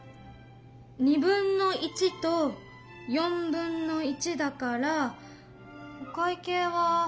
1/2と1/4だからお会計は。